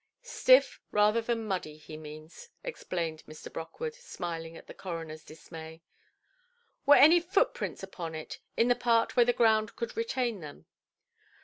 "Stiff rather than muddy, he means", explained Mr. Brockwood, smiling at the coronerʼs dismay. "Were there any footprints upon it, in the part where the ground could retain them"?